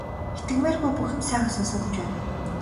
Итгэмээргүй бүх юм сайхан сонсогдож байна.